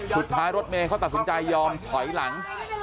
สุดท้ายรถเมเขาตัดสินใจยอมถอยหลัง